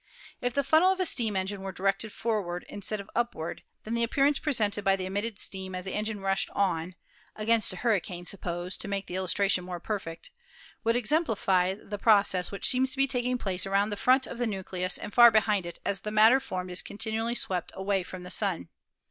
If the funnel of a steam engine were directed forward, instead of up ward, then the appearance presented by the emitted steam as the engine rushed on (against a hurricane, suppose, to make the illustration more perfect ^ would exemplify the process which seems to be taking place around the front of the nucleus and far behind it as the matter formed is continually swept away from the Sun.